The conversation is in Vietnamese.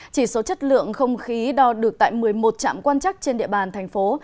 chỉ số chất lượng không khí đo được tại một mươi một trạm quan chắc trên địa bàn thành phố